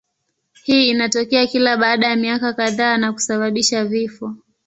Hii inatokea kila baada ya miaka kadhaa na kusababisha vifo.